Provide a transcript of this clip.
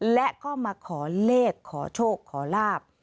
และก็มาขอเลขขอโชคขอลาบ